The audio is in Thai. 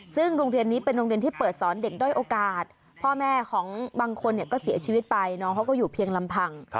ซึ่งโรงเรียนนี้เป็นโรงเรียนที่เปิดสอนเด็กด้อยโอกาสพ่อแม่ของบางคนเนี่ยก็เสียชีวิตไปน้องเขาก็อยู่เพียงลำพัง